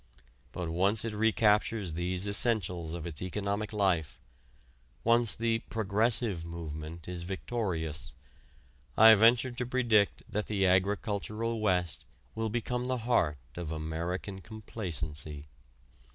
But once it recaptures these essentials of its economic life, once the "progressive" movement is victorious, I venture to predict that the agricultural West will become the heart of American complacency.